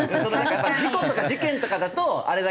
事故とか事件とかだとあれだけど。